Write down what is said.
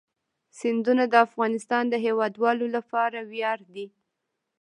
سیندونه د افغانستان د هیوادوالو لپاره ویاړ دی.